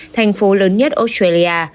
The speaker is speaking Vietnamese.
thành phố lớn nhất australia